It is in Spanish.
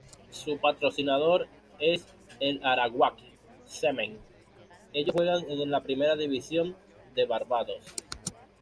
Su patrocinador es el Arawak Cement, ellos juegan en la primera división de barbados.